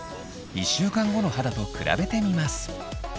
１週間後の肌と比べてみます。